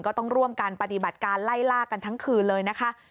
ก็ต้องร่วมกันปฏิบัติการไล่ล่ากันทั้งคืนเลยนะคะ